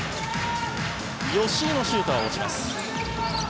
吉井のシュートは落ちます。